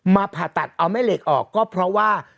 ผ่าตัดเอาแม่เหล็กออกก็เพราะว่า